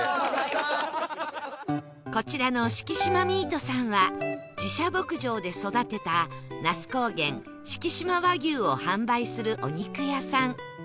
こちらの敷島ミートさんは自社牧場で育てた那須高原敷島和牛を販売するお肉屋さん